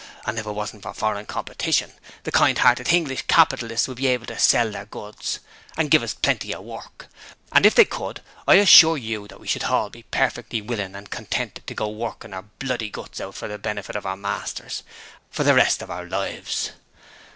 If it wasn't for foreign competition, the kind'earted Hinglish capitalists would be able to sell their goods and give us Plenty of Work, and if they could, I assure you that we should hall be perfectly willing and contented to go on workin' our bloody guts out for the benefit of our masters for the rest of our lives.